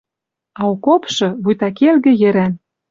А окопшы, вуйта келгӹ йӹрӓн